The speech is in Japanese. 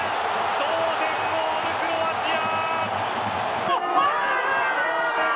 同点ゴール、クロアチア。